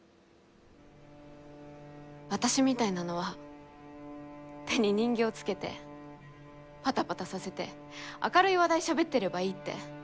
私みたいなのは手に人形つけてパタパタさせて明るい話題しゃべってればいいって。